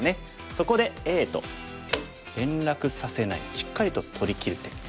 そこでＡと連絡させないしっかりと取りきる手。